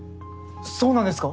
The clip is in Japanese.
そうなんですか？